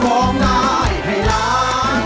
ล้อมได้ให้ร้าน